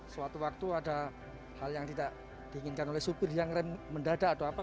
suatu waktu ada hal yang tidak diinginkan oleh supir yang rem mendadak atau apa